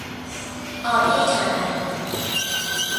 آبی کمرنگ